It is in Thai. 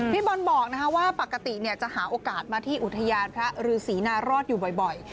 พี่บอลบอกว่าปกติจะหาโอกาสมาที่อุทยานพระฤษีนารอดอยู่บ่อย